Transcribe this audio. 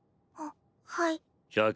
あっはい。